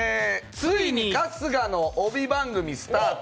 ついに春日の帯番組がスタート！